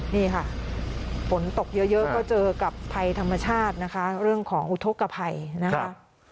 นี่ค่ะฝนตกเยอะก็เจอกับภัยธรรมชาตินะคะเรื่องของอุทธกภัยนะคะ